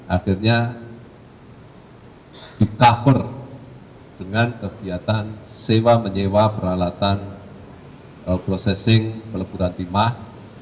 akhirnya di cover dengan kegiatan sewa menyewa peralatan processing peleburan timah